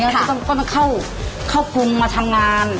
แล้วก็เข้ากรุงมาทำงาน